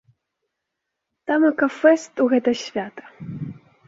Тамака фэст у гэта свята.